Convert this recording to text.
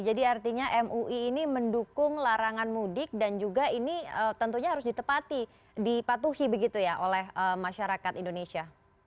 jadi artinya mui ini mendukung larangan mudik dan juga ini tentunya harus ditepati dipatuhi begitu ya oleh masyarakat indonesia